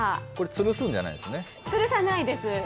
つるさないです。